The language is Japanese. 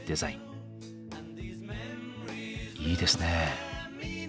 いいですね。